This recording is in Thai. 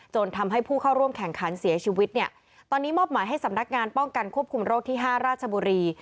จนทำให้ผู้เข้าร่วมแข่งขันเสียชีวิตเนี่ยตอนนี้มอบหมายให้สำนักงานป้องกันควบคุมโรคที่๕ราชบุรี